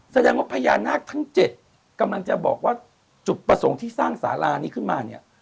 แสดงว่าพญานาคทั้ง๗กำลังจะบอกว่าจุดประสงค์ที่สร้างสารานี้ขึ้นมาเนี่ย